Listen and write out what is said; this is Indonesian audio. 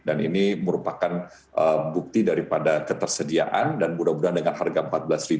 dan ini merupakan bukti daripada ketersediaan dan mudah mudahan dengan harga rp empat belas